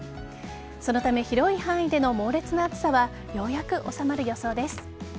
そのため広い範囲での猛烈な暑さはようやく収まる予想です。